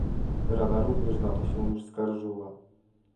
Rada również na to się już skarżyła